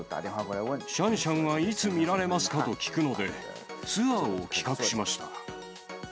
シャンシャンはいつ見られますかと聞くので、ツアーを企画しました。